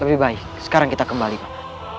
lebih baik sekarang kita kembali pak